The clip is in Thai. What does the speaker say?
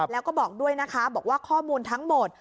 แล้วก็บอกด้วยนะคะบอกว่าข้อมูลทั้งหมด